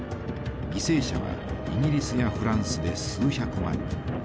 犠牲者はイギリスやフランスで数百万人。